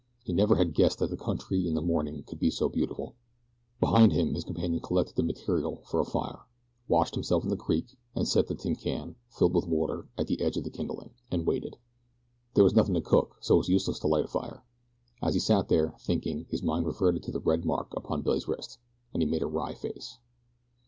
He never had guessed that the country in the morning could be so beautiful. Behind him his companion collected the material for a fire, washed himself in the creek, and set the tin can, filled with water, at the edge of the kindling, and waited. There was nothing to cook, so it was useless to light the fire. As he sat there, thinking, his mind reverted to the red mark upon Billy's wrist, and he made a wry face.